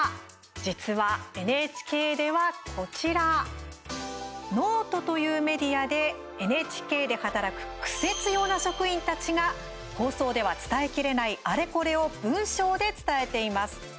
実はＮＨＫでは、こちらｎｏｔｅというメディアでＮＨＫで働くクセ強な職員たちが放送では伝えきれないあれこれを文章で伝えています。